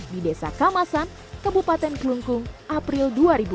di desa kamasan kebupaten klungkung april dua ribu empat